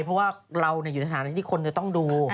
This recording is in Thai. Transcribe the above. เพราะว่าเราอยู่ในสถานที่ที่คนจะต้องดู